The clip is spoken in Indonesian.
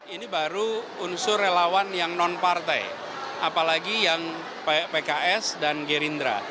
ini baru unsur relawan yang non partai apalagi yang pks dan gerindra